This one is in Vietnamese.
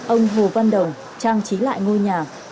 ông hồ văn đồng trang trí lại ngôi nhà